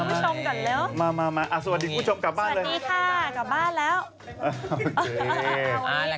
สวัสดีค่ะกลับบ้านแล้ว